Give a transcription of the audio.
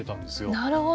なるほど。